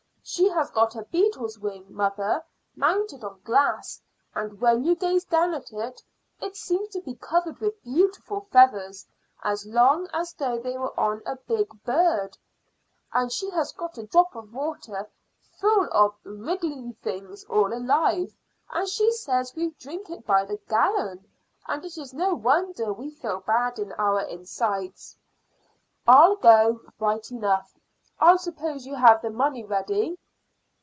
She has got a beetle's wing, mother, mounted on glass, and when you gaze down at it it seems to be covered with beautiful feathers, as long as though they were on a big bird. And she has got a drop of water full of wriggly things all alive; and she says we drink it by the gallon, and it is no wonder we feel bad in our insides. I'll go, right enough. I suppose you have the money ready?"